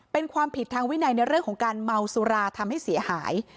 เป็นความผิดทางวินัยในเรื่องของการเมาสุราทำให้เสียหาย